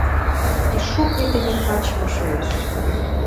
Пишок вет ӹне качмы шоэш.